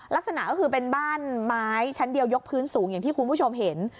ลักษณะก็คือเป็นบ้านไม้ชั้นเดียวยกพื้นสูงอย่างที่คุณผู้ชมเห็น